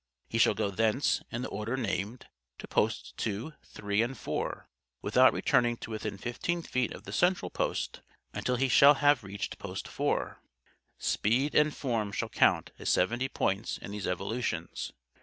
He shall go thence, in the order named, to Posts 2, 3 and 4, without returning to within fifteen feet of the central post until he shall have reached Post 4. "Speed and form shall count as seventy points in these evolutions.